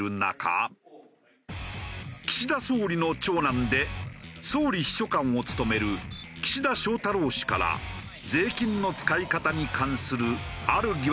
岸田総理の長男で総理秘書官を務める岸田翔太郎氏から税金の使い方に関するある疑惑が浮上した。